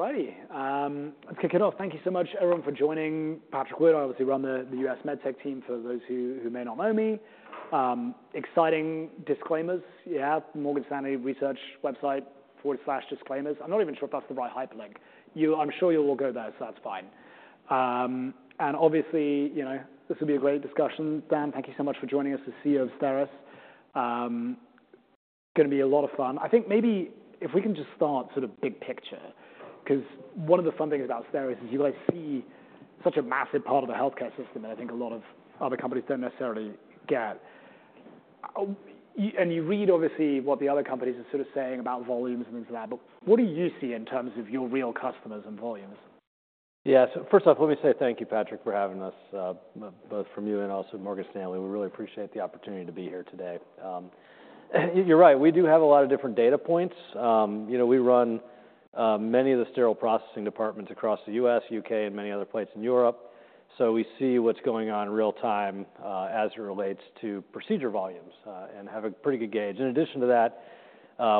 All righty, let's kick it off. Thank you so much, everyone, for joining. Patrick Quinn, I obviously run the U.S. Medtech team, for those who may not know me. Exciting disclaimers. Yeah, Morgan Stanley research website forward slash disclaimers. I'm not even sure if that's the right hyperlink. You-- I'm sure you'll all go there, so that's fine. And obviously, you know, this will be a great discussion. Dan, thank you so much for joining us, the CEO of STERIS. It's gonna be a lot of fun. I think maybe if we can just start sort of big picture, 'cause one of the fun things about STERIS is you guys see such a massive part of the healthcare system that I think a lot of other companies don't necessarily get. And you read obviously what the other companies are sort of saying about volumes and things like that, but what do you see in terms of your real customers and volumes? Yeah. So first off, let me say thank you, Patrick, for having us, both from you and also Morgan Stanley. We really appreciate the opportunity to be here today. You're right, we do have a lot of different data points. You know, we run many of the sterile processing departments across the U.S., U.K., and many other places in Europe, so we see what's going on in real time, as it relates to procedure volumes, and have a pretty good gauge. In addition to that,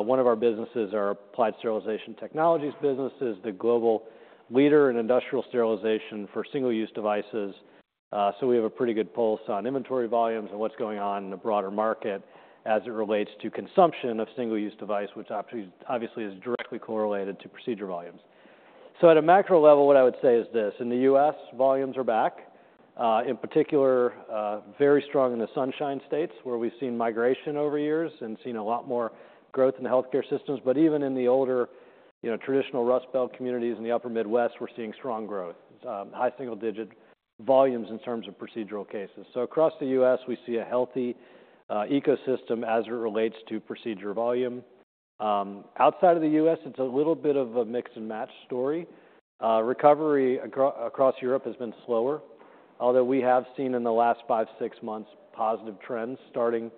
one of our businesses, our Applied Sterilization Technologies business, is the global leader in industrial sterilization for single-use devices. So we have a pretty good pulse on inventory volumes and what's going on in the broader market as it relates to consumption of single-use device, which obviously is directly correlated to procedure volumes. So at a macro level, what I would say is this: in the U.S., volumes are back, in particular, very strong in the Sunshine States, where we've seen migration over years and seen a lot more growth in the healthcare systems. But even in the older, you know, traditional Rust Belt communities in the upper Midwest, we're seeing strong growth, high single-digit volumes in terms of procedural cases. So across the U.S., we see a healthy, ecosystem as it relates to procedure volume. Outside of the U.S., it's a little bit of a mix-and-match story. Recovery across Europe has been slower, although we have seen in the last five, six months, positive trends starting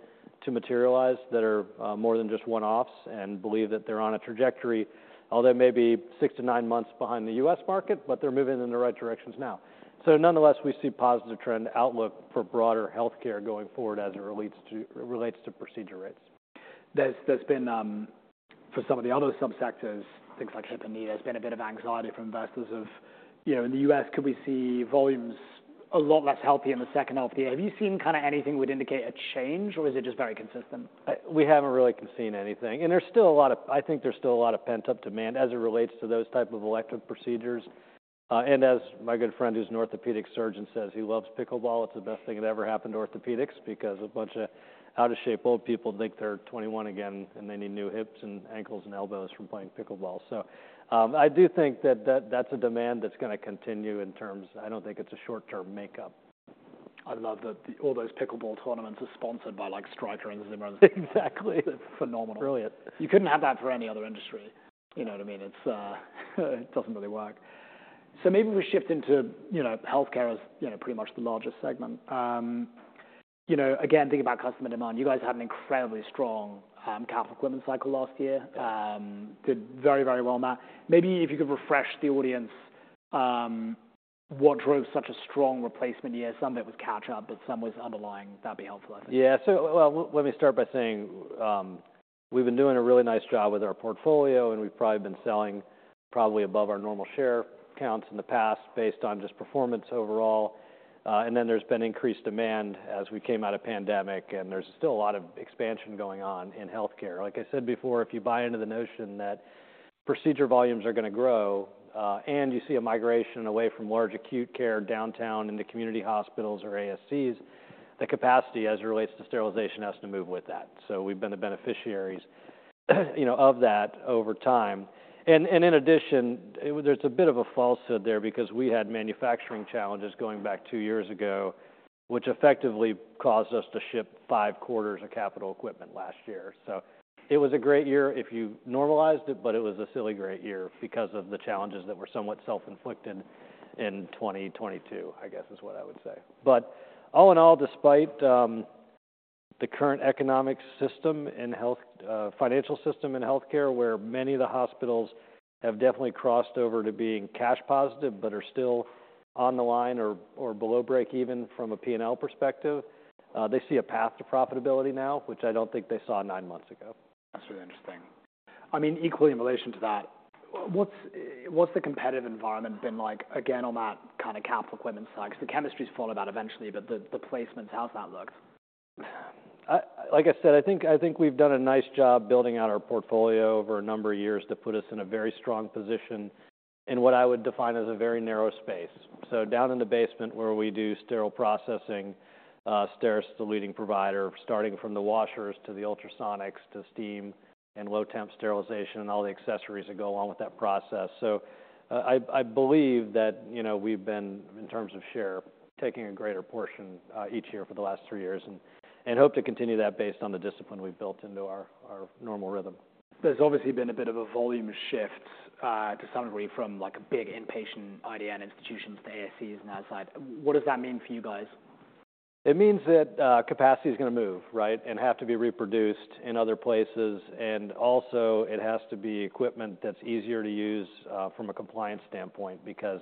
to materialize that are more than just one-offs and believe that they're on a trajectory, although it may be six to nine months behind the U.S. market, but they're moving in the right directions now. So nonetheless, we see positive trend outlook for broader healthcare going forward as it relates to procedure rates. There's been, for some of the other subsectors, things like hip and knee, there's been a bit of anxiety from investors of, you know, in the U.S., could we see volumes a lot less healthy in the second half of the year? Have you seen kind of anything would indicate a change, or is it just very consistent? We haven't really seen anything, and I think there's still a lot of pent-up demand as it relates to those type of elective procedures. And as my good friend, who's an orthopedic surgeon, says he loves pickleball. It's the best thing that ever happened to orthopedics because a bunch of out-of-shape, old people think they're 21 again, and they need new hips and ankles and elbows from playing pickleball. So I do think that that's a demand that's gonna continue in terms. I don't think it's a short-term makeup. I love that all those pickleball tournaments are sponsored by, like, Stryker and Zimmer. Exactly. It's phenomenal. Brilliant. You couldn't have that for any other industry. You know what I mean? It doesn't really work. So maybe we shift into, you know, healthcare as, you know, pretty much the largest segment. You know, again, think about customer demand. You guys had an incredibly strong capital equipment cycle last year. Yeah. Did very, very well on that. Maybe if you could refresh the audience, what drove such a strong replacement year? Some of it was catch-up, but some was underlying. That'd be helpful, I think. Yeah. Well, let me start by saying, we've been doing a really nice job with our portfolio, and we've probably been selling above our normal share counts in the past, based on just performance overall. And then there's been increased demand as we came out of pandemic, and there's still a lot of expansion going on in healthcare. Like I said before, if you buy into the notion that procedure volumes are gonna grow, and you see a migration away from large acute care downtown into community hospitals or ASCs, the capacity as it relates to sterilization has to move with that. So we've been the beneficiaries, you know, of that over time. And in addition, there's a bit of a falsehood there because we had manufacturing challenges going back two years ago, which effectively caused us to ship five quarters of capital equipment last year. So it was a great year if you normalized it, but it was a silly great year because of the challenges that were somewhat self-inflicted in 2022, I guess is what I would say. But all in all, despite the current economic system and healthcare financial system in healthcare, where many of the hospitals have definitely crossed over to being cash positive but are still on the line or below break even from a P&L perspective, they see a path to profitability now, which I don't think they saw nine months ago. That's really interesting. I mean, equally in relation to that, what's the competitive environment been like? Again, on that kind of capital equipment side, because the chemistry's falling out eventually, but the placements, how's that looked? Like I said, I think we've done a nice job building out our portfolio over a number of years to put us in a very strong position in what I would define as a very narrow space. So down in the basement where we do sterile processing, STERIS is the leading provider, starting from the washers to the ultrasonics, to steam and low temp sterilization, and all the accessories that go along with that process. So, I believe that, you know, we've been, in terms of share, taking a greater portion each year for the last three years and hope to continue that based on the discipline we've built into our normal rhythm. There's obviously been a bit of a volume shift, to some degree, from, like, a big inpatient IDN institution to the ASCs and outside. What does that mean for you guys? It means that capacity is gonna move, right? And have to be reproduced in other places. And also it has to be equipment that's easier to use from a compliance standpoint, because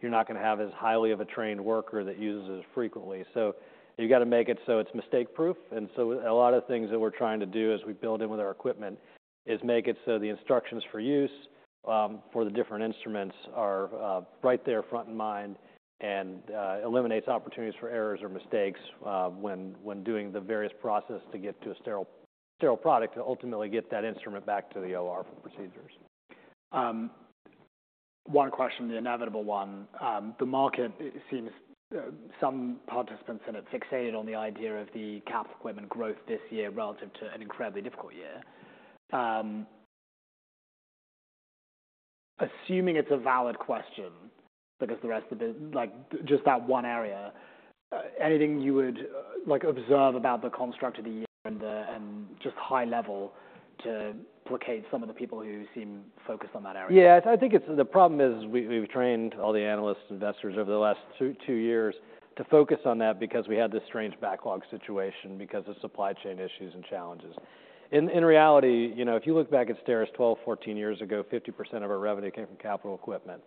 you're not gonna have as highly of a trained worker that uses it frequently. So you gotta make it so it's mistake-proof. And so a lot of things that we're trying to do as we build in with our equipment is make it so the instructions for use for the different instruments are right there front of mind, and eliminates opportunities for errors or mistakes when doing the various process to get to a sterile product, to ultimately get that instrument back to the OR for procedures. One question, the inevitable one. The market, it seems, some participants in it fixated on the idea of the capital equipment growth this year relative to an incredibly difficult year. Assuming it's a valid question, because the rest of it, like, just that one area, anything you would, like, observe about the construct of the year and, and just high level to placate some of the people who seem focused on that area? Yeah, I think it's the problem is, we've trained all the analysts and investors over the last two years to focus on that because we had this strange backlog situation because of supply chain issues and challenges. In reality, you know, if you look back at STERIS 12-14 years ago, 50% of our revenue came from capital equipment.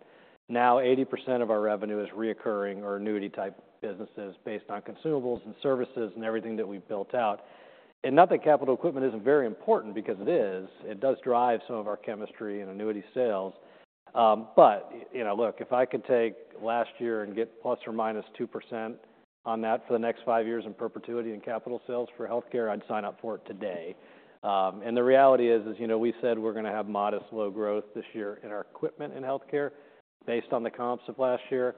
Now, 80% of our revenue is recurring or annuity type businesses based on consumables and services and everything that we've built out. And not that capital equipment isn't very important, because it is, it does drive some of our chemistry and annuity sales. But, you know, look, if I could take last year and get plus or minus 2% on that for the next 5 years in perpetuity and capital sales for healthcare, I'd sign up for it today. And the reality is, you know, we said we're going to have modest low growth this year in our equipment in healthcare based on the comps of last year.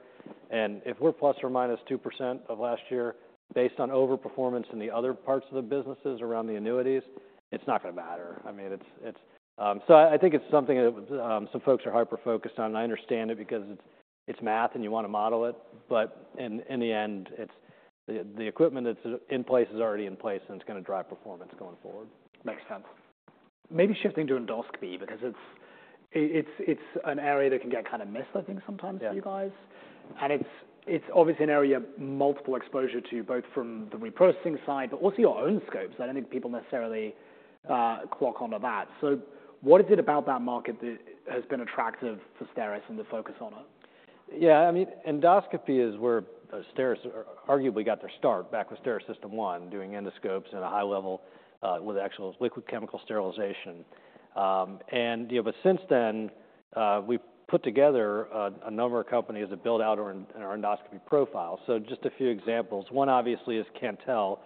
And if we're plus or minus 2% of last year based on overperformance in the other parts of the businesses around the annuities, it's not going to matter. I mean, it's... So I think it's something that some folks are hyper-focused on, and I understand it because it's math and you want to model it, but in the end, it's the equipment that's in place is already in place, and it's going to drive performance going forward. Makes sense. Maybe shifting to endoscopy, because it's an area that can get kind of missed, I think, sometimes- Yeah... for you guys. And it's obviously an area of multiple exposure to you, both from the reprocessing side, but also your own scopes. I don't think people necessarily clock onto that. So what is it about that market that has been attractive for STERIS and the focus on it? Yeah, I mean, endoscopy is where STERIS arguably got their start back with STERIS System 1, doing endoscopes at a high level, with actual liquid chemical sterilization. And, you know, but since then, we've put together a number of companies that build out our endoscopy profile. So just a few examples. One, obviously, is Cantel,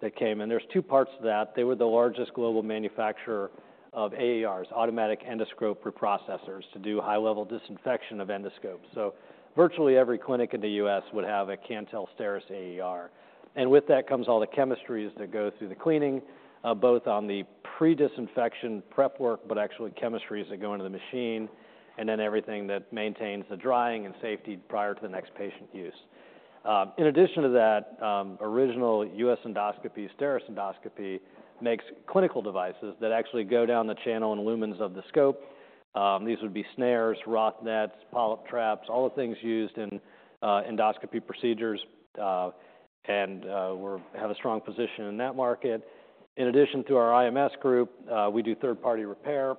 that came, and there's two parts to that. They were the largest global manufacturer of AERs, automatic endoscope reprocessors, to do high-level disinfection of endoscopes. So virtually every clinic in the U.S. would have a Cantel STERIS AER. And with that comes all the chemistries that go through the cleaning, both on the pre-disinfection prep work, but actually chemistries that go into the machine, and then everything that maintains the drying and safety prior to the next patient use. In addition to that, original US Endoscopy, STERIS Endoscopy, makes clinical devices that actually go down the channel and lumens of the scope. These would be snares, Roth Nets, polyp traps, all the things used in endoscopy procedures, and we have a strong position in that market. In addition to our IMS group, we do third-party repair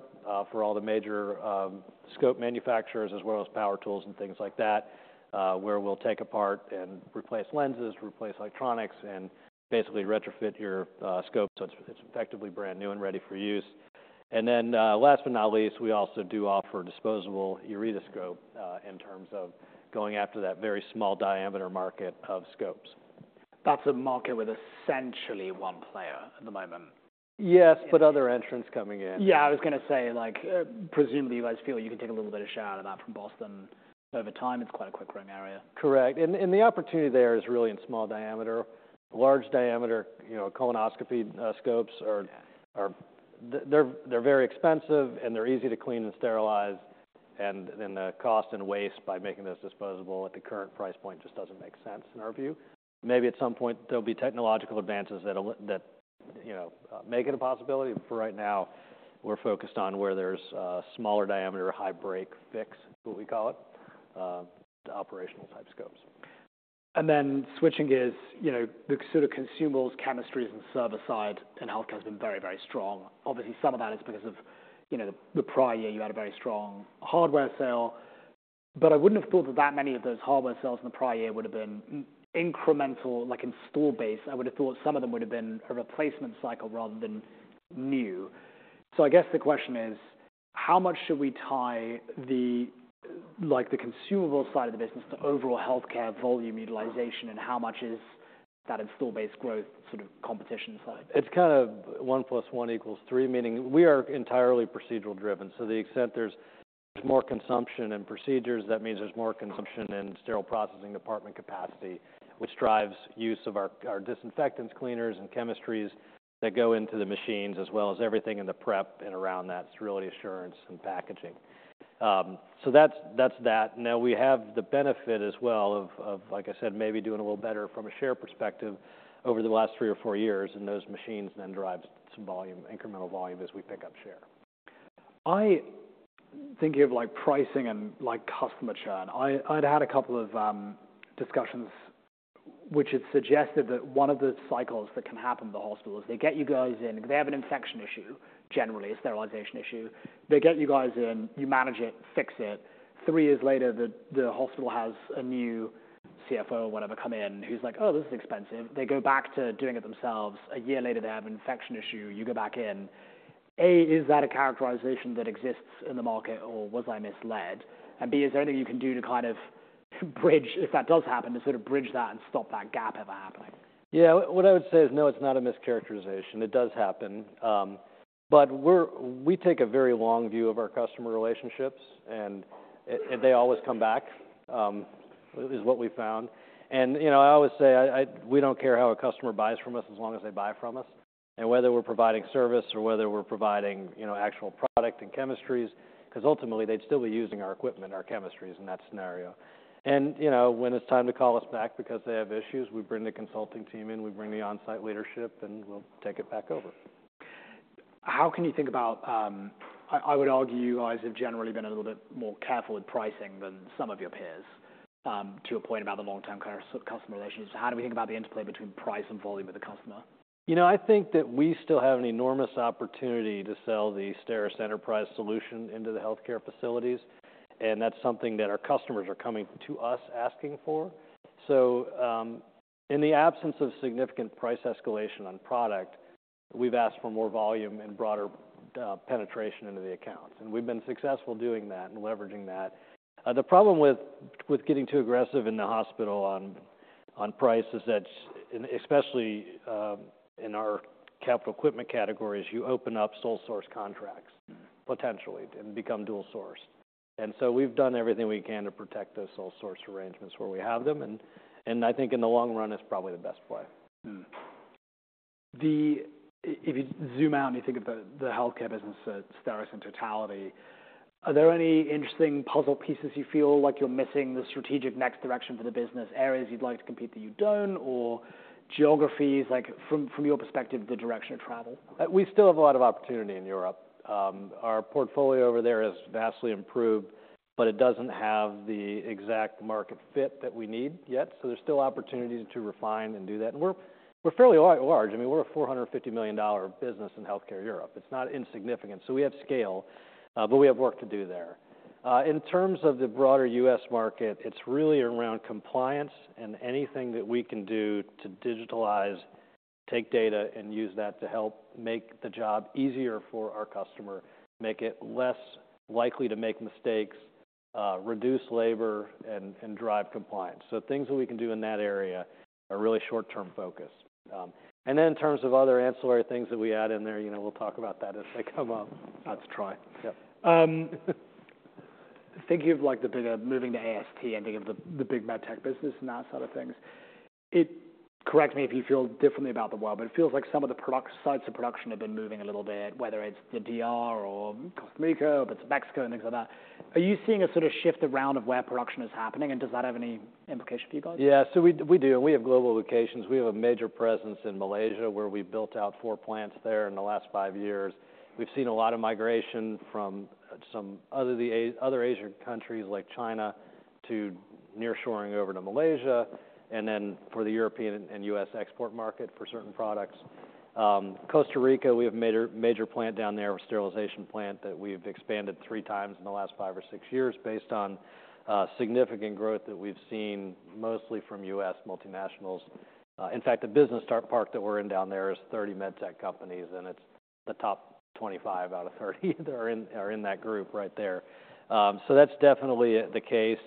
for all the major scope manufacturers, as well as power tools and things like that, where we'll take apart and replace lenses, replace electronics, and basically retrofit your scope, so it's effectively brand new and ready for use. Last but not least, we also do offer disposable ureteroscope in terms of going after that very small diameter market of scopes. That's a market with essentially one player at the moment. Yes, but other entrants coming in. Yeah, I was going to say, like, presumably, you guys feel you can take a little bit of share out of that from Boston. Over time, it's quite a quick-growing area. Correct. And the opportunity there is really in small diameter. Large diameter, you know, colonoscopy scopes are. They're very expensive, and they're easy to clean and sterilize, and then the cost and waste by making those disposable at the current price point just doesn't make sense in our view. Maybe at some point, there'll be technological advances that will, you know, make it a possibility, but for right now, we're focused on where there's smaller diameter, high break fix, is what we call it to operational type scopes. And then switching gears, you know, the sort of consumables, chemistries, and service side in healthcare has been very, very strong. Obviously, some of that is because of, you know, the prior year you had a very strong hardware sale, but I wouldn't have thought that that many of those hardware sales in the prior year would have been incremental, like, installed base. I would have thought some of them would have been a replacement cycle rather than new. So I guess the question is, how much should we tie the, like, the consumable side of the business to overall healthcare volume utilization, and how much is that installed base growth sort of competition side? It's kind of one plus one equals three, meaning we are entirely procedural driven. So to the extent there's more consumption and procedures, that means there's more consumption and sterile processing department capacity, which drives use of our disinfectants, cleaners, and chemistries that go into the machines, as well as everything in the prep and around that, sterility assurance and packaging. So that's that. Now, we have the benefit as well of, like I said, maybe doing a little better from a share perspective over the last three or four years, and those machines then drives some volume, incremental volume, as we pick up share. I think of, like, pricing and, like, customer churn. I'd had a couple of discussions which had suggested that one of the cycles that can happen in the hospital is they get you guys in, they have an infection issue, generally a sterilization issue. They get you guys in, you manage it, fix it. Three years later, the hospital has a new CFO or whatever come in, who's like, "Oh, this is expensive." They go back to doing it themselves. A year later, they have an infection issue. You go back in. A, is that a characterization that exists in the market, or was I misled? And B, is there anything you can do to kind of bridge, if that does happen, to sort of bridge that and stop that gap ever happening? Yeah, what I would say is, no, it's not a mischaracterization. It does happen. But we're we take a very long view of our customer relationships, and they always come back is what we found. And, you know, I always say we don't care how a customer buys from us, as long as they buy from us, and whether we're providing service or whether we're providing, you know, actual product and chemistries, 'cause ultimately, they'd still be using our equipment, our chemistries in that scenario. And, you know, when it's time to call us back because they have issues, we bring the consulting team in, we bring the on-site leadership, and we'll take it back over. How can you think about... I would argue you guys have generally been a little bit more careful with pricing than some of your peers, to a point about the long-term customer relationships. How do we think about the interplay between price and volume with the customer? You know, I think that we still have an enormous opportunity to sell the STERIS enterprise solution into the healthcare facilities, and that's something that our customers are coming to us asking for. So, in the absence of significant price escalation on product, we've asked for more volume and broader penetration into the accounts, and we've been successful doing that and leveraging that. The problem with getting too aggressive in the hospital on price is that especially in our capital equipment categories, you open up sole source contracts- Mm-hmm. Potentially and become dual sourced. And so we've done everything we can to protect those sole source arrangements where we have them, and I think in the long run, it's probably the best play. Mm-hmm. If you zoom out, and you think of the healthcare business at STERIS in totality, are there any interesting puzzle pieces you feel like you're missing, the strategic next direction for the business, areas you'd like to compete that you don't, or geographies, like, from your perspective, the direction of travel? We still have a lot of opportunity in Europe. Our portfolio over there has vastly improved, but it doesn't have the exact market fit that we need yet, so there's still opportunities to refine and do that. And we're fairly large. I mean, we're a $450 million business in healthcare Europe. It's not insignificant, so we have scale, but we have work to do there. In terms of the broader U.S. market, it's really around compliance and anything that we can do to digitalize, take data, and use that to help make the job easier for our customer, make it less likely to make mistakes, reduce labor, and drive compliance. So things that we can do in that area are really short-term focus. And then in terms of other ancillary things that we add in there, you know, we'll talk about that as they come up. That's right. Yeah. Um, Thinking of like the bigger, moving to AST and thinking of the big med tech business and that side of things, it, correct me if you feel differently about the world, but it feels like some of the product sides of production have been moving a little bit, whether it's the DR or Costa Rica or bits of Mexico, and things like that. Are you seeing a sort of shift around of where production is happening, and does that have any implication for you guys? Yeah, so we do, and we have global locations. We have a major presence in Malaysia, where we built out four plants there in the last five years. We've seen a lot of migration from some other Asian countries like China to nearshoring over to Malaysia, and then for the European and U.S. export market for certain products. Costa Rica, we have a major plant down there, a sterilization plant, that we've expanded three times in the last five or six years based on significant growth that we've seen, mostly from U.S. multinationals. In fact, the business park that we're in down there is 30 med tech companies, and it's the top 25 out of 30 that are in that group right there. So that's definitely the case.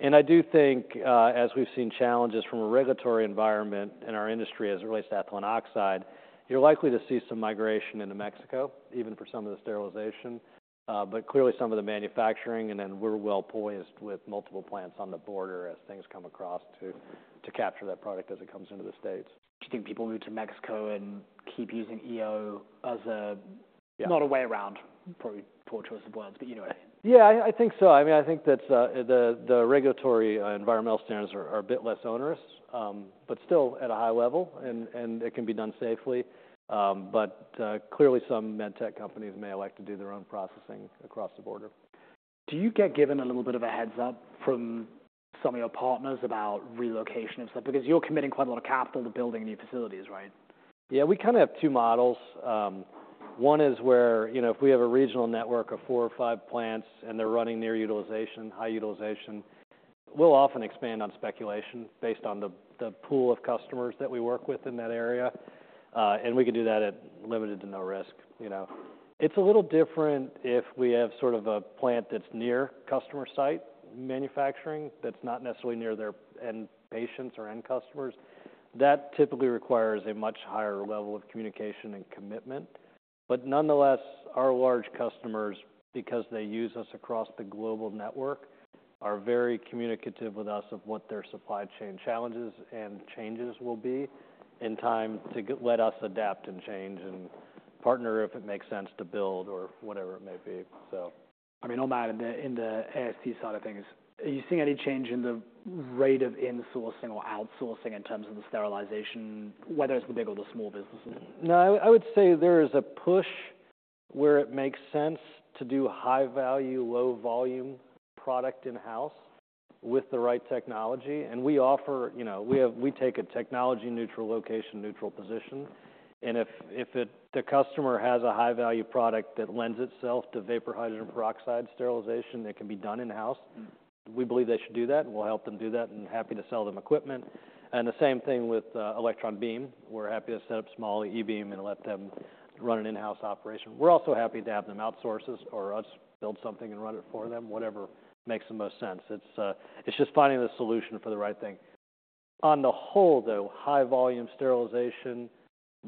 And I do think, as we've seen challenges from a regulatory environment in our industry as it relates to ethylene oxide, you're likely to see some migration into Mexico, even for some of the sterilization. But clearly some of the manufacturing, and then we're well poised with multiple plants on the border as things come across to capture that product as it comes into the States. Do you think people move to Mexico and keep using EO as a- Yeah... not a way around, probably poor choice of words, but you know what I mean. Yeah, I think so. I mean, I think that the regulatory environmental standards are a bit less onerous, but still at a high level, and it can be done safely, but clearly, some med tech companies may elect to do their own processing across the border. Do you get given a little bit of a heads-up from some of your partners about relocation and stuff? Because you're committing quite a lot of capital to building new facilities, right? Yeah, we kind of have two models. One is where, you know, if we have a regional network of four or five plants, and they're running near utilization, high utilization, we'll often expand on speculation based on the pool of customers that we work with in that area, and we can do that at limited to no risk, you know. It's a little different if we have sort of a plant that's near customer site manufacturing, that's not necessarily near their end patients or end customers. That typically requires a much higher level of communication and commitment. But nonetheless, our large customers, because they use us across the global network, are very communicative with us of what their supply chain challenges and changes will be in time to let us adapt and change and partner, if it makes sense, to build or whatever it may be, so. I mean, no matter, in the AST side of things, are you seeing any change in the rate of insourcing or outsourcing in terms of the sterilization, whether it's the big or the small businesses? No, I would say there is a push where it makes sense to do high value, low volume product in-house with the right technology, and we offer. You know, we take a technology neutral, location neutral position. And if the customer has a high value product that lends itself to vapor hydrogen peroxide sterilization that can be done in-house, we believe they should do that, and we'll help them do that, and happy to sell them equipment. And the same thing with electron beam. We're happy to set up small E-beam and let them run an in-house operation. We're also happy to have them outsource this or us build something and run it for them, whatever makes the most sense. It's just finding the solution for the right thing. On the whole, though, high volume sterilization,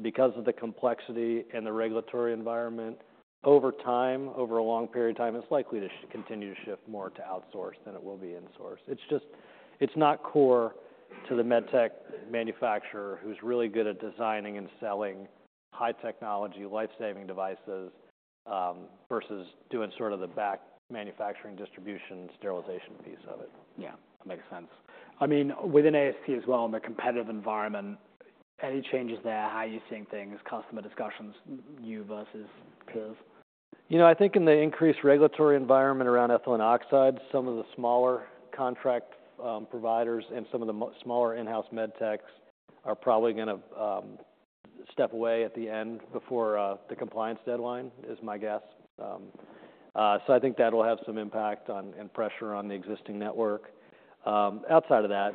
because of the complexity and the regulatory environment, over time, over a long period of time, it's likely to continue to shift more to outsource than it will be in-source. It's just, it's not core to the med tech manufacturer who's really good at designing and selling high technology, life-saving devices, versus doing sort of the back manufacturing, distribution, sterilization piece of it. Yeah, makes sense. I mean, within AST as well, in the competitive environment, any changes there? How are you seeing things, customer discussions, you versus peers? You know, I think in the increased regulatory environment around ethylene oxide, some of the smaller contract providers and some of the smaller in-house med techs are probably gonna step away at the end before the compliance deadline, is my guess. So I think that will have some impact on and pressure on the existing network. Outside of that,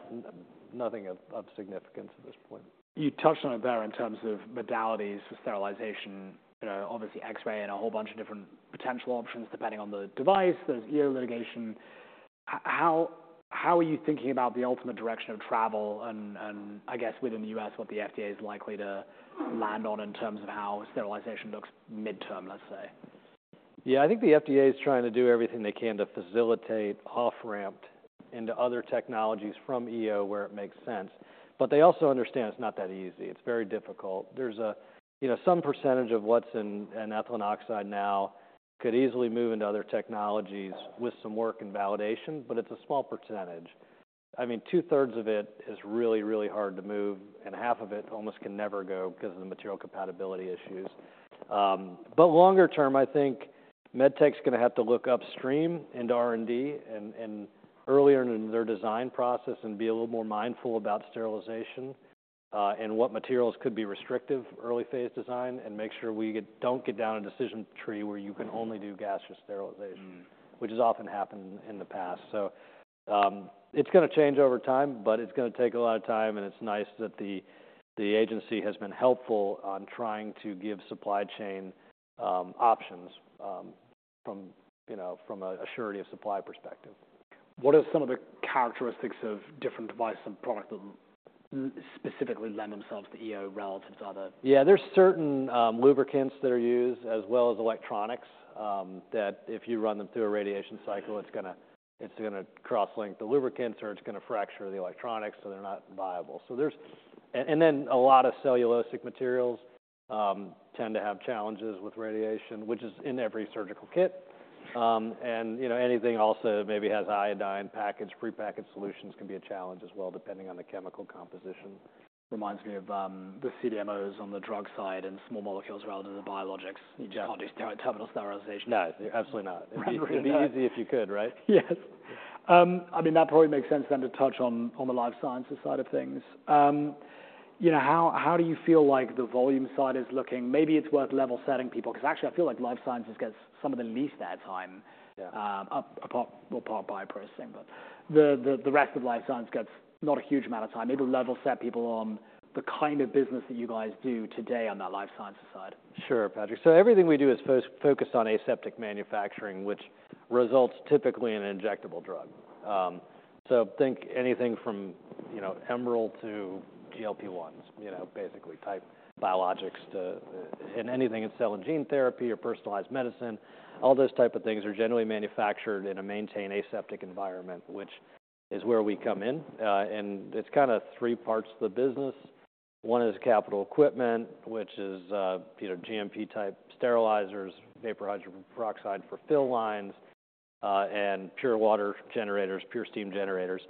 nothing of significance at this point. You touched on it there in terms of modalities for sterilization, you know, obviously X-ray and a whole bunch of different potential options depending on the device. There's EO litigation. How are you thinking about the ultimate direction of travel and I guess within the U.S., what the FDA is likely to land on in terms of how sterilization looks midterm, let's say? Yeah, I think the FDA is trying to do everything they can to facilitate off-ramp into other technologies from EO, where it makes sense. But they also understand it's not that easy. It's very difficult. There's a, you know, some percentage of what's in an ethylene oxide now could easily move into other technologies with some work and validation, but it's a small percentage. I mean, two-thirds of it is really, really hard to move, and half of it almost can never go because of the material compatibility issues. But longer term, I think med tech's gonna have to look upstream into R&D and, and earlier in their design process and be a little more mindful about sterilization, and what materials could be restrictive, early phase design, and make sure we get. Don't get down a decision tree where you can only do gaseous sterilization. Mm. Which has often happened in the past. So, it's gonna change over time, but it's gonna take a lot of time, and it's nice that the agency has been helpful on trying to give supply chain options, from, you know, from a surety of supply perspective. What are some of the characteristics of different devices and products that specifically lend themselves to EO relative to other? Yeah, there's certain lubricants that are used, as well as electronics, that if you run them through a radiation cycle, it's gonna cross-link the lubricants, or it's gonna fracture the electronics, so they're not viable. So there's... And then a lot of cellulosic materials tend to have challenges with radiation, which is in every surgical kit. And, you know, anything also maybe has iodine package, prepackaged solutions can be a challenge as well, depending on the chemical composition. Reminds me of the CDMOs on the drug side and small molecules rather than the biologics. Yeah. You can't do terminal sterilization. No, absolutely not. Right. It'd be easy if you could, right? Yes. I mean, that probably makes sense then to touch on, on the life sciences side of things. You know, how, how do you feel like the volume side is looking? Maybe it's worth level setting people, 'cause actually, I feel like life sciences gets some of the least air time. Yeah. Apart from bioprocessing, but the rest of life science gets not a huge amount of time. Maybe level set people on the kind of business that you guys do today on that life sciences side. Sure, Patrick. Everything we do is focused on aseptic manufacturing, which results typically in an injectable drug. Think anything from, you know, Emerald to GLP-1s, you know, basically type biologics to anything in cell and gene therapy or personalized medicine. All those type of things are generally manufactured in a maintained aseptic environment, which is where we come in. It's kind of three parts to the business. One is capital equipment, which is, you know, GMP-type sterilizers, vapor hydrogen peroxide for fill lines, and pure water generators, pure steam generators.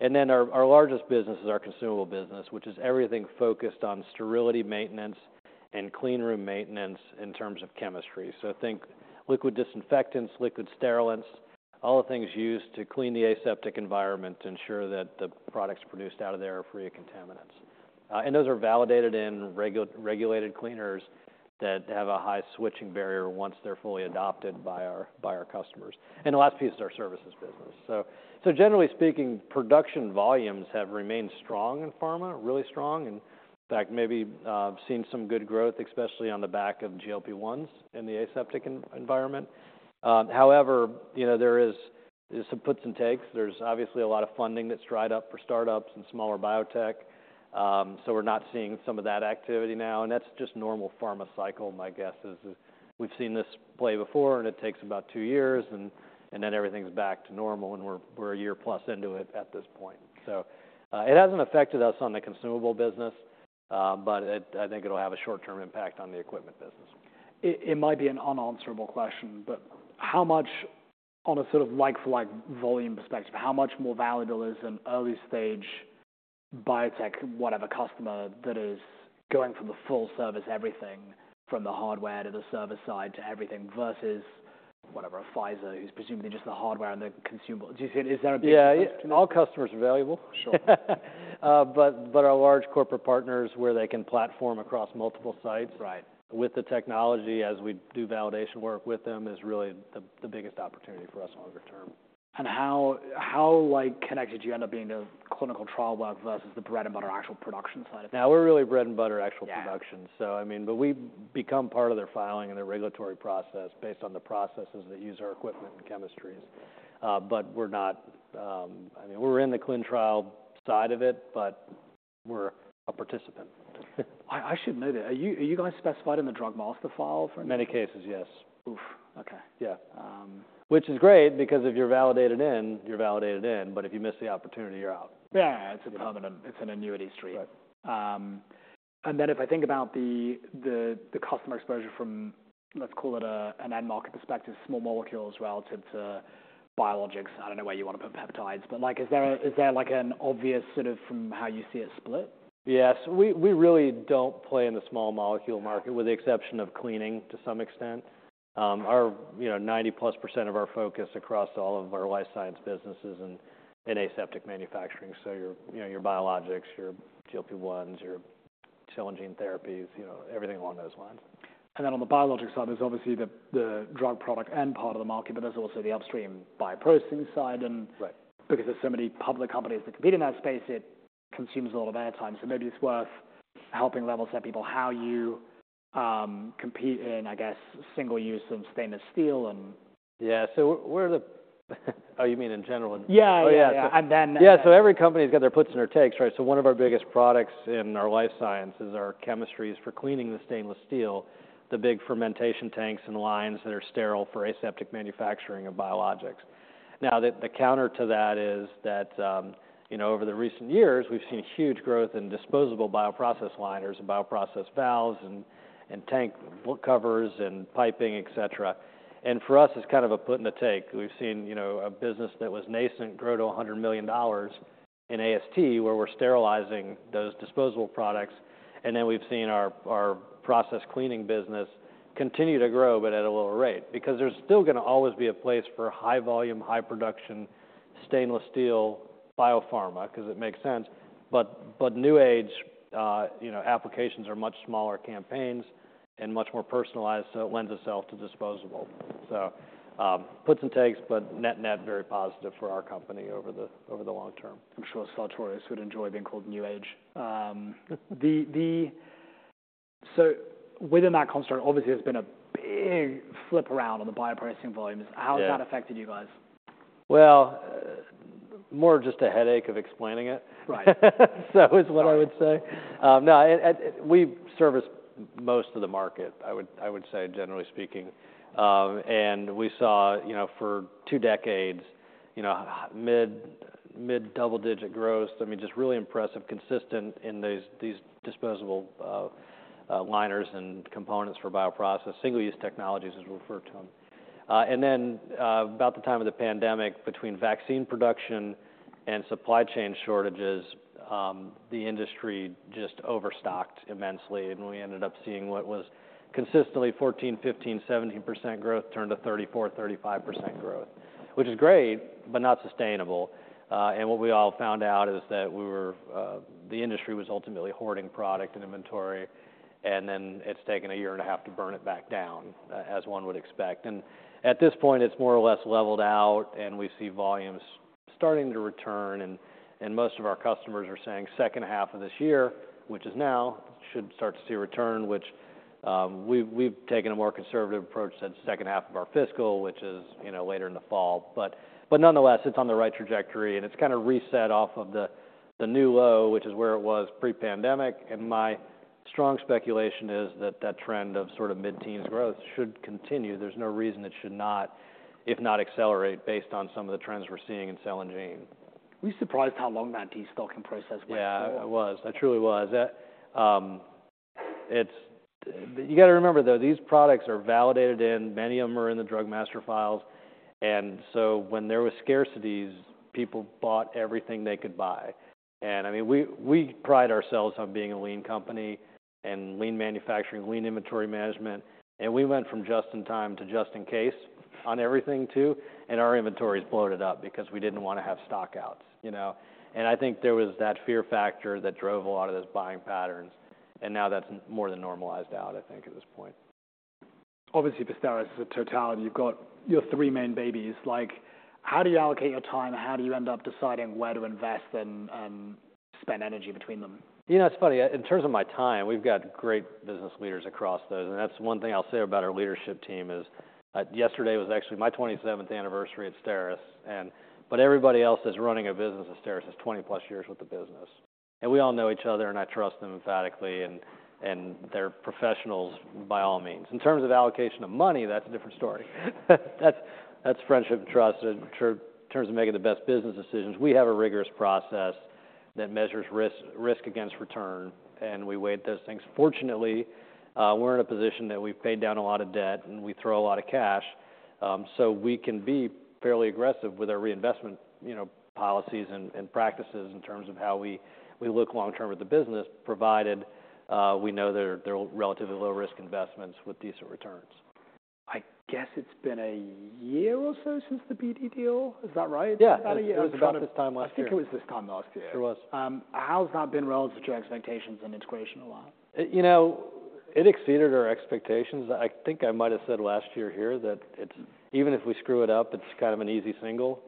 Then our largest business is our consumable business, which is everything focused on sterility maintenance and clean room maintenance in terms of chemistry. Think liquid disinfectants, liquid sterilants, all the things used to clean the aseptic environment to ensure that the products produced out of there are free of contaminants. Those are validated in regulated cleaners that have a high switching barrier once they're fully adopted by our customers. The last piece is our services business. Generally speaking, production volumes have remained strong in pharma, really strong, and in fact, maybe seen some good growth, especially on the back of GLP-1s in the aseptic environment. However, you know, there is some puts and takes. There's obviously a lot of funding that's dried up for startups and smaller biotech, so we're not seeing some of that activity now, and that's just normal pharma cycle. My guess is, we've seen this play before, and it takes about two years, and then everything's back to normal, and we're a year plus into it at this point. So, it hasn't affected us on the consumable business, but it... I think it'll have a short-term impact on the equipment business. It might be an unanswerable question, but how much on a sort of like-for-like volume perspective, how much more valuable is an early stage biotech whatever customer that is going for the full service, everything from the hardware to the service side to everything, versus whatever, a Pfizer who's presumably just the hardware and the consumable. Do you think is that a big- Yeah, all customers are valuable. Sure. But our large corporate partners, where they can platform across multiple sites- Right With the technology as we do validation work with them, is really the biggest opportunity for us longer term. How, like, connected do you end up being to clinical trial labs versus the bread and butter actual production side of it? Now, we're really bread and butter, actual production. Yeah. I mean, but we've become part of their filing and their regulatory process based on the processes that use our equipment and chemistries. But we're not. I mean, we're in the clinical trial side of it, but we're a participant. I should know that. Are you guys specified in the Drug Master File for- Many cases, yes. Oof! Okay. Yeah. Um- Which is great, because if you're validated in, you're validated in, but if you miss the opportunity, you're out. Yeah, it's a permanent... It's an annuity stream. Right. And then if I think about the customer exposure from, let's call it an end market perspective, small molecules relative to biologics, I don't know where you want to put peptides, but like, is there like an obvious sort of from how you see it split? Yes. We really don't play in the small molecule market, with the exception of cleaning to some extent. Our, you know, 90+% of our focus across all of our life science business is in aseptic manufacturing. So your, you know, your biologics, your GLP-1s, your cell and gene therapies, you know, everything along those lines. And then on the biologic side, there's obviously the drug product and part of the market, but there's also the upstream bioprocessing side. And Right Because there's so many public companies that compete in that space, it consumes a lot of airtime. So maybe it's worth helping level set people, how you, compete in, I guess, single use of stainless steel and- Yeah. So where are the... Oh, you mean in general? Yeah, yeah. Oh, yeah. And then- Yeah, so every company's got their puts and their takes, right? So one of our biggest products in our life sciences are chemistries for cleaning the stainless steel, the big fermentation tanks and lines that are sterile for aseptic manufacturing of biologics. Now, the counter to that is that, you know, over the recent years, we've seen huge growth in disposable bioprocess liners and bioprocess valves and tank bag covers and piping, et cetera. And for us, it's kind of a put and a take. We've seen, you know, a business that was nascent grow to $100 million in AST, where we're sterilizing those disposable products, and then we've seen our process cleaning business continue to grow, but at a lower rate. Because there's still gonna always be a place for high volume, high production, stainless steel biopharma, 'cause it makes sense. But new age, you know, applications are much smaller campaigns and much more personalized, so it lends itself to disposable. So, puts and takes, but net net, very positive for our company over the long term. I'm sure Sartorius would enjoy being called New Age. So within that construct, obviously, there's been a big flip around on the bioprocessing volumes. Yeah. How has that affected you guys? More just a headache of explaining it. Right. So is what I would say. Right. No, we service most of the market, I would, I would say, generally speaking. We saw, you know, for two decades, you know, mid, mid-double digit growth. I mean, just really impressive, consistent in these, these disposable liners and components for bioprocess, single-use technologies, as we refer to them. Then, about the time of the pandemic, between vaccine production and supply chain shortages, the industry just overstocked immensely, and we ended up seeing what was consistently 14%, 15%, 17% growth turn to 34%, 35% growth, which is great, but not sustainable. What we all found out is that we were, the industry was ultimately hoarding product and inventory, and then it's taken a year and a half to burn it back down, as one would expect. At this point, it's more or less leveled out, and we see volumes starting to return, and most of our customers are saying second half of this year, which is now, should start to see a return, which we've taken a more conservative approach since second half of our fiscal, which is, you know, later in the fall. But nonetheless, it's on the right trajectory, and it's kind of reset off of the new low, which is where it was pre-pandemic. My strong speculation is that that trend of sort of mid-teens growth should continue. There's no reason it should not, if not accelerate, based on some of the trends we're seeing in cell and gene. Were you surprised how long that destocking process went on? Yeah, I was. I truly was. That, it's. You got to remember, though, these products are validated in, many of them are in the Drug Master Files, and so when there was scarcities, people bought everything they could buy. And I mean, we pride ourselves on being a lean company and lean manufacturing, lean inventory management, and we went from just-in-time to just-in-case on everything, too, and our inventory is bloated up because we didn't want to have stockouts, you know? And I think there was that fear factor that drove a lot of those buying patterns, and now that's more than normalized out, I think, at this point. Obviously, the STERIS as a totality, you've got your three main babies. Like, how do you allocate your time, and how do you end up deciding where to invest and spend energy between them? You know, it's funny, in terms of my time, we've got great business leaders across those, and that's one thing I'll say about our leadership team is, yesterday was actually my twenty-seventh anniversary at STERIS, and but everybody else that's running a business at STERIS has twenty-plus years with the business. And we all know each other, and I trust them emphatically, and, and they're professionals by all means. In terms of allocation of money, that's a different story. That's, that's friendship and trust. In terms of making the best business decisions, we have a rigorous process that measures risk against return, and we weigh those things. Fortunately, we're in a position that we've paid down a lot of debt, and we throw a lot of cash, so we can be fairly aggressive with our reinvestment, you know, policies and practices in terms of how we look long term at the business, provided we know they're relatively low-risk investments with decent returns. I guess it's been a year or so since the BD deal. Is that right? Yeah. About a year. It was about this time last year. I think it was this time last year. Sure it was. How's that been relative to your expectations and integration alignment? You know, it exceeded our expectations. I think I might have said last year here that it's even if we screw it up, it's kind of an easy single.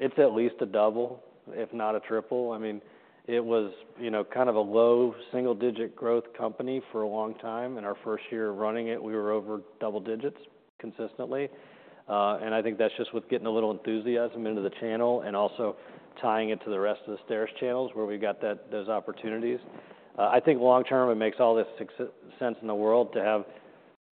It's at least a double, if not a triple. I mean, it was, you know, kind of a low single-digit growth company for a long time. In our first year of running it, we were over double digits consistently. And I think that's just with getting a little enthusiasm into the channel and also tying it to the rest of the STERIS channels, where we got those opportunities. I think long term, it makes all the sense in the world to have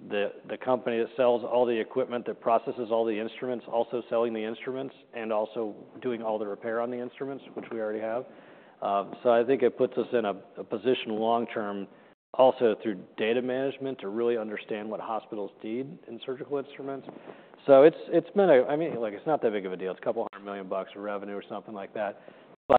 the company that sells all the equipment, that processes all the instruments, also selling the instruments and also doing all the repair on the instruments, which we already have. So I think it puts us in a position long term, also through data management, to really understand what hospitals need in surgical instruments. So it's been a... I mean, look, it's not that big of a deal. It's $200 million in revenue or something like that.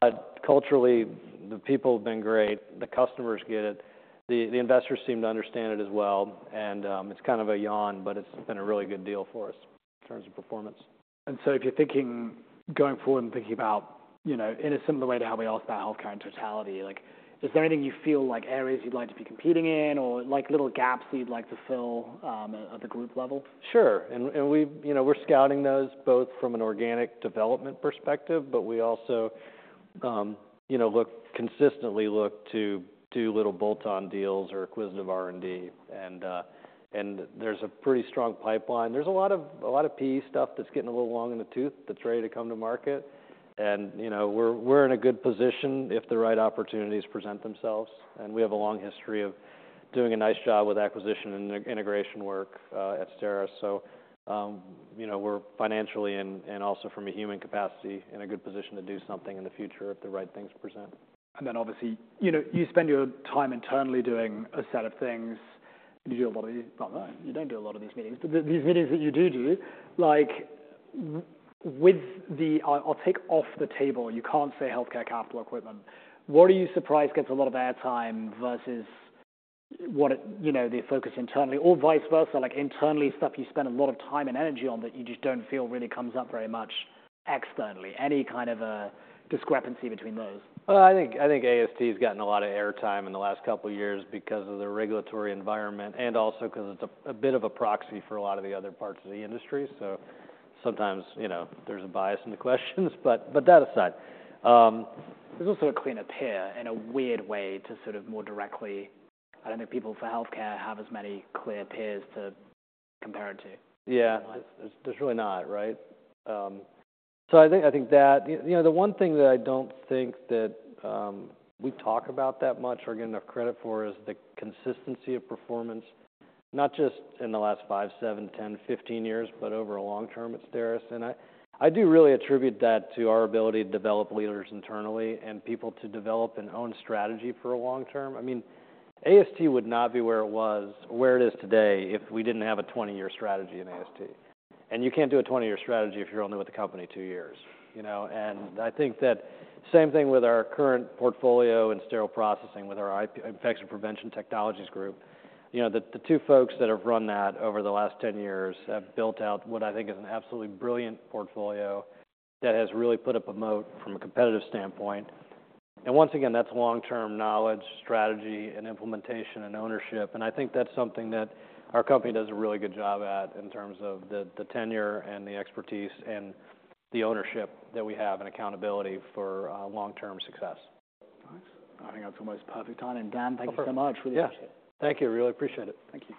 But culturally, the people have been great. The customers get it, the investors seem to understand it as well, and it's kind of a yawn, but it's been a really good deal for us in terms of performance. If you're thinking going forward and thinking about, you know, in a similar way to how we ask about healthcare in totality, like, is there anything you feel like areas you'd like to be competing in or like little gaps that you'd like to fill at the group level? Sure. And we've you know, we're scouting those both from an organic development perspective, but we also you know, consistently look to do little bolt-on deals or acquisition of R&D, and and there's a pretty strong pipeline. There's a lot of, a lot of PE stuff that's getting a little long in the tooth that's ready to come to market. And you know, we're in a good position if the right opportunities present themselves, and we have a long history of doing a nice job with acquisition and integration work at STERIS. So you know, we're financially and also from a human capacity in a good position to do something in the future if the right things present. And then, obviously, you know, you spend your time internally doing a set of things. You do a lot of these... Well, no, you don't do a lot of these meetings, but these meetings that you do, like, with the... I'll take off the table, you can't say healthcare capital equipment. What are you surprised gets a lot of airtime versus what it, you know, the focus internally or vice versa? Like, internally, stuff you spend a lot of time and energy on that you just don't feel really comes up very much externally. Any kind of a discrepancy between those? I think, I think AST has gotten a lot of airtime in the last couple of years because of the regulatory environment and also because it's a bit of a proxy for a lot of the other parts of the industry. So sometimes, you know, there's a bias in the questions, but that aside. There's also a clear peer in a weird way to sort of more directly... I don't know if people for healthcare have as many clear peers to compare it to. Yeah. Like- There's really not, right? So I think that. You know, the one thing that I don't think that we talk about that much or get enough credit for is the consistency of performance, not just in the last five, seven, 10, 15 years, but over a long term at STERIS. And I do really attribute that to our ability to develop leaders internally and people to develop and own strategy for a long term. I mean, AST would not be where it is today if we didn't have a 20-year strategy in AST. And you can't do a 20-year strategy if you're only with the company 2 years, you know? And I think that same thing with our current portfolio and sterile processing, with our IP, Infection Prevention Technologies group, you know, the two folks that have run that over the last 10 years have built out what I think is an absolutely brilliant portfolio that has really put up a moat from a competitive standpoint. And once again, that's long-term knowledge, strategy and implementation and ownership. And I think that's something that our company does a really good job at in terms of the tenure and the expertise and the ownership that we have, and accountability for long-term success. Nice. I think that's almost perfect timing. Dan, thank you so much. Yeah. We appreciate it. Thank you. Really appreciate it. Thank you.